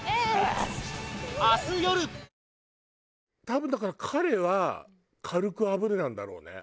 ＪＴ多分だから彼は「軽く炙る」なんだろうね。